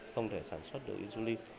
không thể sản xuất được insulin